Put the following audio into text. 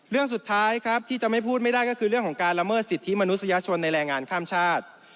เรื่องสุดท้ายครับที่จะไม่พูดไม่ได้ก็คือเรื่องของการละเมิดสิทธิมนุษยชนในแรงงานข้ามชาติ